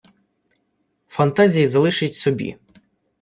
Фантазії залишіть собі